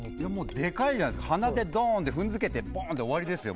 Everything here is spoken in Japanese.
でかいじゃないですか鼻でドーンで踏んづけてボーンで終わりですよ